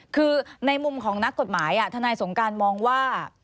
คือในมุมของนักกฎหมายทนายสงการมองว่า